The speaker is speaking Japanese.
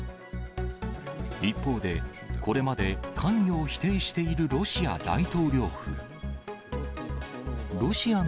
一方で、これまで関与を否定しているロシア大統領府。